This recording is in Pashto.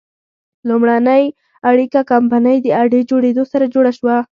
لومړنۍ اړیکه کمپنۍ د اډې جوړېدو سره جوړه شوه.